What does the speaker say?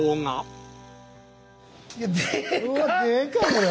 これ。